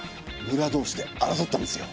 ムラ同士で争ったんですよ。